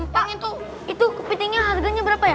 pak itu kepitingnya harganya berapa ya